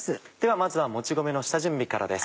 まずはもち米の下準備からです。